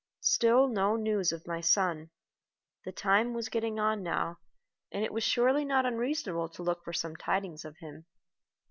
Still no news of my son. The time was getting on now, and it was surely not unreasonable to look for some tidings of him.